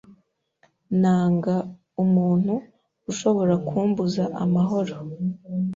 Nanga umuntu ushobora kumbuza amahoro